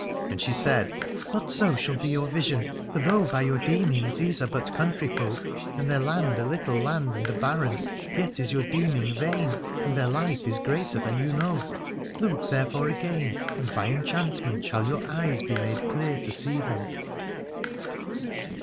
And she said: Not so shall be your vision, for though by your deeming these are but country folk, and their land a little land and a barren, yet is your deeming vain, and their life is greater than you know. Look therefore again, and by enchantment shall your eyes be made clear to see them.